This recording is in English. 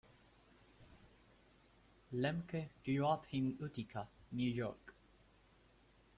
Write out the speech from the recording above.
Lemke grew up in Utica, New York.